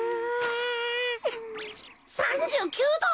３９ど！？